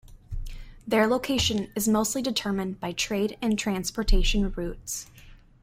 Their location is mostly determined by trade and transportation routes.